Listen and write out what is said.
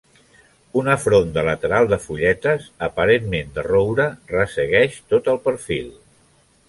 Una fronda lateral de fulletes, aparentment de roure, ressegueix tot el perfil.